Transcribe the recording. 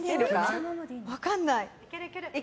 分からない。